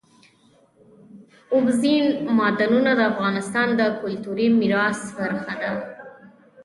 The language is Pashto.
اوبزین معدنونه د افغانستان د کلتوري میراث برخه ده.